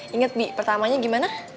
ingat bi pertamanya gimana